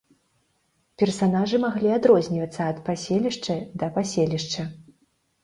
Персанажы маглі адрознівацца ад паселішча да паселішча.